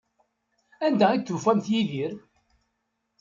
Anda ay d-tufamt Yidir?